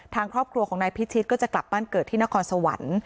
ทางครอบครัวของนายพิชิตก็จะกลับบ้านเกิดที่นครสวรรค์